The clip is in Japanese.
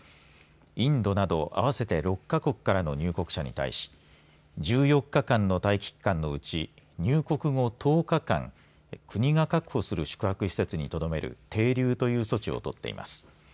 インドなど合わせて６か国からの入国者に対し１４日間の待機期間のうち入国後１０日間国が確保する宿泊施設にとどめる停留という措置を取っています。